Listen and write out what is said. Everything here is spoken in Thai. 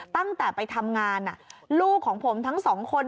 ตั้งแต่ไปทำงานลูกของผมทั้งสองคน